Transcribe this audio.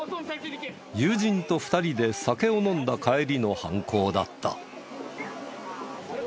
友人と２人で酒を飲んだ帰りの犯行だった。